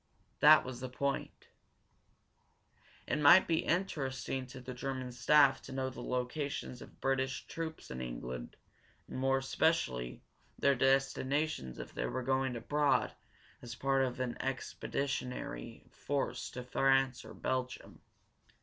That was the point. It might be interesting to the German staff to know the locations of British troops in England, and, more especially, their destinations if they were going abroad as part of an expeditionary force to France or Belgium.